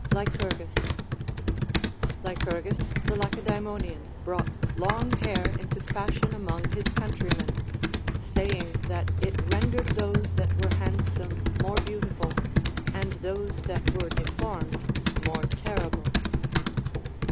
Lycurgus. Lvcurofus the Lacedaemonian brou":ht lonir hair into fashion among his countrymen, saying that it rendered those that were handsome more beautiful, and those that were deformed more terrible.